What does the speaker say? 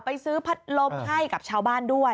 ซื้อพัดลมให้กับชาวบ้านด้วย